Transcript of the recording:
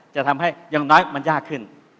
จะทำให้อย่างน้อยมันยากขึ้น